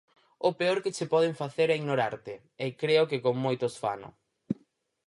O peor que che poden facer é ignorarte, e creo que con moitos fano.